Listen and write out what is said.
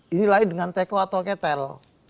ini lain dengan teko atau ketel